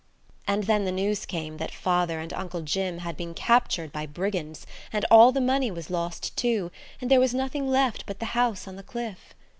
And then the news came that father and Uncle Jim had been captured by brigands, and all the money was lost, too, and there was nothing left but the house on the cliff.